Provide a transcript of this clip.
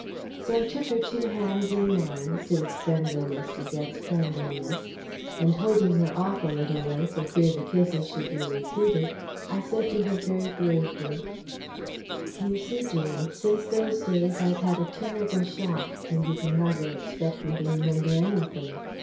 So I took her two hands in mine since friendliness begets friendliness and holding her off a little way, for fear the kisses should be repeated, I said to her very gravely: "You see, Jane, since those days I've had a terrible shock, and you can hardly expect me to remember anything.